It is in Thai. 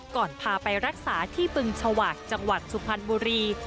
ก่อนพาไปรักษาที่บึงชวากจังหวัดสุพรรณบุรี